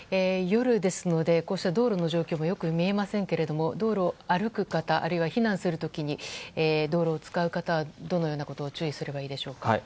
夜ですので道路の状況もよく見えませんけど道路を歩く方あるいは避難する時に道路を使う方はどのようなことに注意すればいいでしょうか。